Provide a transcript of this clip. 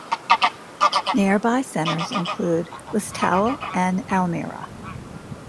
Nearby centres include Listowel and Elmira.